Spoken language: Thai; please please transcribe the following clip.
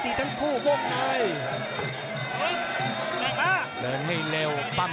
เดะดูบนวางให้กว้าว